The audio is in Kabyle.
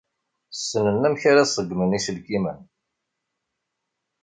Ssnen amek ara ṣeggmen iselkimen.